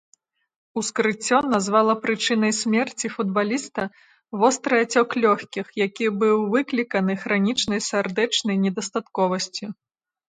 Ускрыццё назвала прычынай смерці футбаліста востры ацёк лёгкіх, які быў выкліканы хранічнай сардэчнай недастатковасцю.